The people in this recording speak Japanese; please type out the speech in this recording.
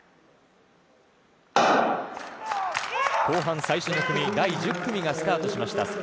後半最初の組第１０組がスタートしました。